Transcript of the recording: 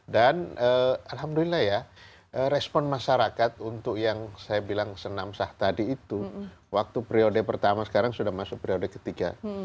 dan alhamdulillah ya respon masyarakat untuk yang saya bilang senam sah tadi itu waktu periode pertama sekarang sudah masuk periode ketiga